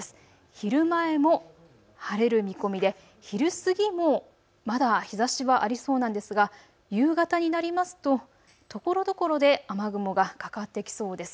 昼前も晴れる見込みで、昼過ぎもまだ日ざしはありそうなんですが、夕方になりますとところどころで雨雲がかかってきそうです。